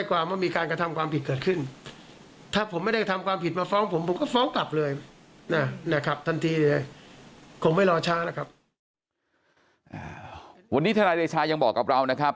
วันนี้ทนายเดชายังบอกกับเรานะครับ